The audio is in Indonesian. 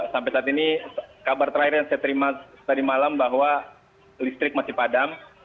sampai saat ini kabar terakhir yang saya terima tadi malam bahwa listrik masih padam